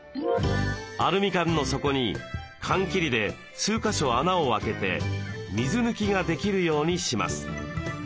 アルミ缶の底に缶切りで数か所穴を開けて水抜きができるようにします。